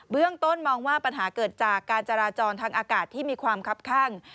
เรื่องต้นมองว่าปัญหาเกิดจากการจราจรทางอากาศที่มีความคับข้าง